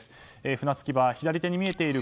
船着き場左手に見えている